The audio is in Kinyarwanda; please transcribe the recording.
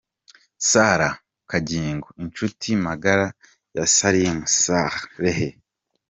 Sarah Kagingo inshuti magara ya Salim Saleh